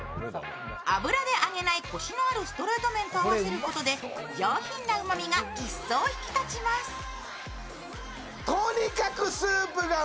油で揚げないコシのあるストレート麺と合わせることで上品なうまみが一層引き立ちます。